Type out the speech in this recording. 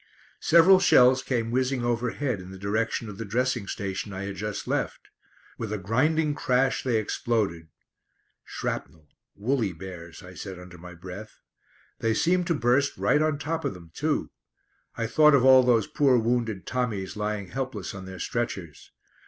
Several shells came whizzing overhead in the direction of the dressing station I had just left. With a grinding crash they exploded. "Shrapnel, woolly bears," I said under my breath. They seemed to burst right on top of them too. I thought of all those poor wounded Tommies lying helpless on their stretchers.